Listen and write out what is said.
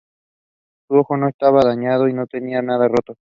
Su ojo no estaba dañado y no tenía nada roto.